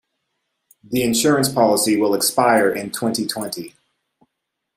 The insurance policy will expire in twenty-twenty.